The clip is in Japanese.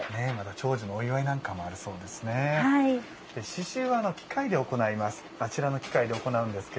長寿のお祝いなんかもありそうですね。